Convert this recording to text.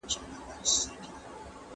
او هېڅوک مې جاسوسې ونه کړي.